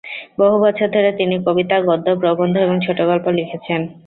বহু বছর ধরে তিনি কবিতা, গদ্য, প্রবন্ধ এবং ছোট গল্প লিখেছেন।